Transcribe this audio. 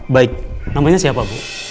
baik namanya siapa bu